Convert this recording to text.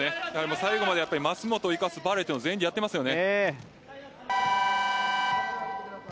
最後まで舛本を生かすバレーを全員でやっていますよね。